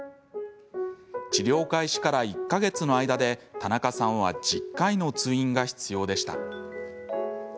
治療開始から１か月の間で田中さんは１０回の通院が必要でした。